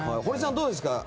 どうですか？